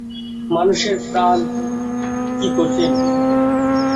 মানুষের প্রাণ কী কঠিন।